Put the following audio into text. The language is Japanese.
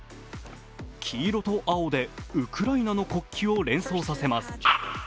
黄色と青でウクライナの国旗を連想させます。